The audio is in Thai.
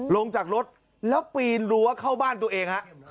ลงจากรถแล้วปีนรั้วเข้าบ้านตัวเองฮะ